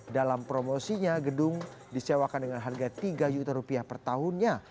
dalam promosinya gedung disewakan dengan harga tiga juta rupiah per tahunnya